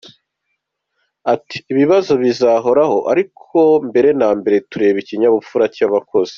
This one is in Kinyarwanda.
Ati “Ibibazo bizahoraho ariko tureba bwa mbere na mbere ikinyabupfura cy’abakozi.